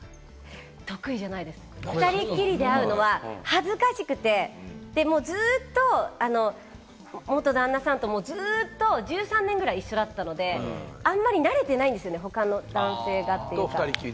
得意じゃないです、２人きりで会うのは恥ずかしくて、ずっと元旦那さんとも１３年ぐらい一緒だったので、あんまり慣れてないんですよね、他の男性と。